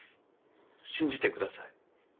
信じてください。